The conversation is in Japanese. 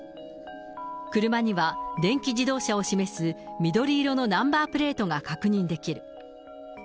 車には電気自動車を示す緑色のナンバープレートが確認できる。